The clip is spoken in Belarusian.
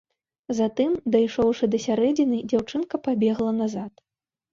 Затым, дайшоўшы да сярэдзіны, дзяўчынка пабегла назад.